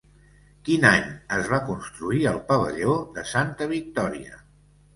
Quin any es va construir el pavelló de Santa Victòria?